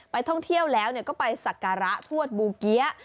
ท่องเที่ยวแล้วก็ไปสักการะทวดบูเกี๊ยะ